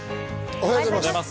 おはようございます。